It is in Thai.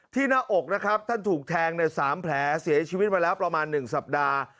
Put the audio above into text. หน้าอกนะครับท่านถูกแทงใน๓แผลเสียชีวิตมาแล้วประมาณ๑สัปดาห์